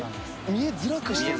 見えづらくした？